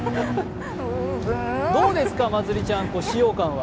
どうですか、まつりちゃん、使用感は？